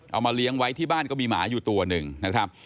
เอามาเลี้ยงไว้ที่บ้านก็มีหมาอยู่ตัวหนึ่งนะครับ